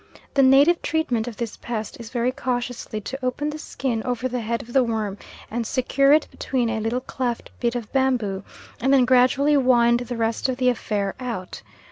The native treatment of this pest is very cautiously to open the skin over the head of the worm and secure it between a little cleft bit of bamboo and then gradually wind the rest of the affair out.